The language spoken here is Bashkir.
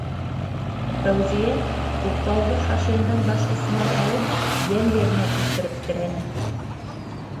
Фәүзиә уҡлауҙы Хашимдың баш осонан алып, йән еренә килтереп терәне: